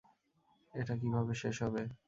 এটা কিভাবে শেষ হবে?